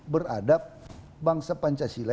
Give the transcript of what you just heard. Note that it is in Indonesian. beradab bangsa pancasila